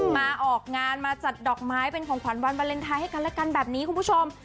มาออกงานมาจัดดอกไม้เป็นของขวัญวันวาเลนไทยให้กันและกันแบบนี้คุณผู้ชม